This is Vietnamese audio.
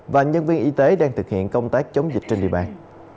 và nhân viên y tế đang thực hiện công tác chống dịch trên địa bàn